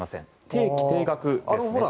定期・定額ですね。